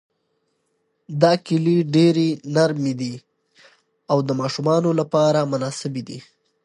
دا کیلې ډېرې نرمې دي او د ماشومانو لپاره مناسبې دي.